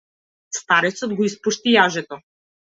Старецот го испушти јажето.